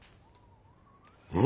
うん？